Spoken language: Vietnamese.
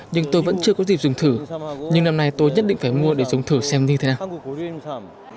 nhưng tôi vẫn chưa có dịp dùng thử nhưng năm nay tôi nhất định phải mua để dùng thử xem như thế nào